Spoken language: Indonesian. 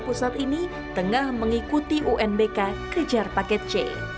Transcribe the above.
pusat ini tengah mengikuti unbk kejar paket c